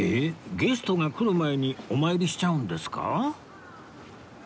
ゲストが来る前にお参りしちゃうんですか？